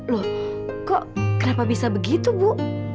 loh kok kenapa bisa begitu bu